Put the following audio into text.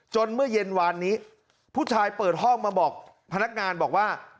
เมื่อเย็นวานนี้ผู้ชายเปิดห้องมาบอกพนักงานบอกว่า